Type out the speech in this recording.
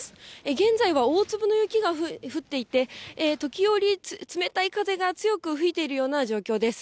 現在は大粒の雪が降っていて、時折、冷たい風が強く吹いているような状況です。